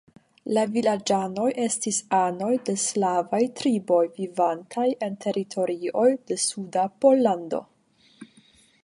La vilaĝanoj estis anoj de slavaj triboj, vivantaj en teritorioj de suda Pollando.